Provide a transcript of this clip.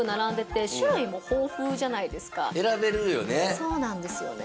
そうなんですよね。